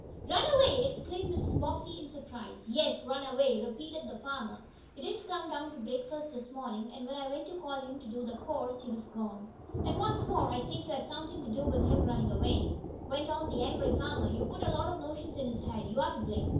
"Run away!" exclaimed Mrs. Bobbsey, in surprise. "Yes, run away," repeated the farmer. "He didn't come down to breakfast this mornin', and when I went to call him to do the chores, he was gone. And, what's more, I think you had somethin' to do with him runnin' away," went on the angry farmer. "You put a lot o' notions in his head. You're to blame!"